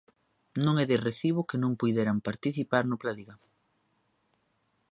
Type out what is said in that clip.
Non é de recibo que non puideran participar no Pladiga.